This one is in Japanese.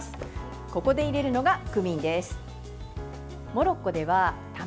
ここで入れるのがクミンです。